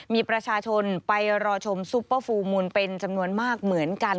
มีประชาชนไปรอชมซุปเปอร์ฟูลมูลเป็นจำนวนมากเหมือนกัน